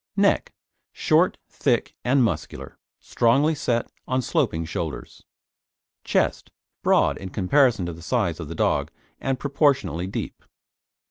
NECK Short, thick and muscular; strongly set on sloping shoulders. CHEST Broad in comparison to the size of the dog, and proportionately deep.